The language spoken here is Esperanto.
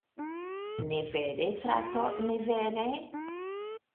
Ne vere, frato, ne vere?